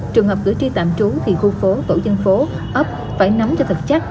trường hợp cử tri tạm trú thì khu phố tổ dân phố ấp phải nắm cho thật chắc